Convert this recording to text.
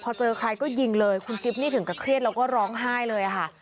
พอเจอใครก็ยิงเลยคุณจิ๊บนี่ถึงกับเครียดแล้วก็ร้องไห้เลยค่ะ